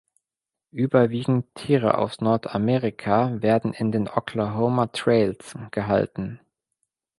Überwiegend Tiere aus Nordamerika werden in den "Oklahoma Trails" gehalten.